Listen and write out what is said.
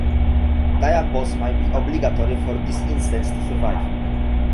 Diapause may be obligatory for these insects to survive.